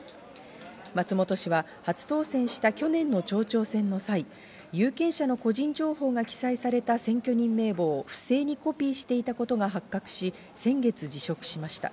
松本氏は初当選した去年の町長選の際、有権者の個人情報が記載された選挙人名簿を不正にコピーしていたことが発覚し、先月、辞職しました。